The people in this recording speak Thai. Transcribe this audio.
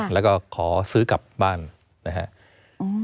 แล้วก็ขอซื้อกลับบ้านนะครับ